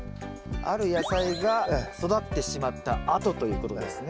ある野菜が育ってしまったあとということですね。